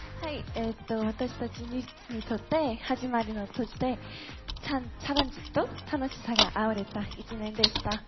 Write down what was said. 私たちにとって始まりの年で、チャレンジと楽しさがあふれた一年でした。